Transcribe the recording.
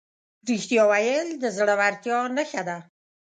رښتیا ویل د زړهورتیا نښه ده.